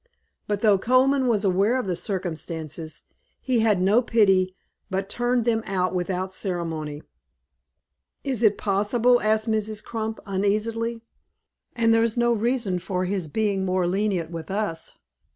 But though Colman was aware of the circumstances, he had no pity; but turned them out without ceremony." "Is it possible?" asked Mrs. Crump, uneasily. "And there's no reason for his being more lenient with us.